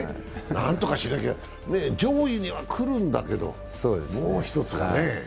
なんとかしなきゃ、上位には来るんだけど、もうひとつだね。